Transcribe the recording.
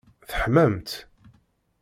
Teḥmamt!